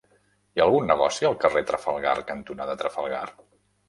Hi ha algun negoci al carrer Trafalgar cantonada Trafalgar?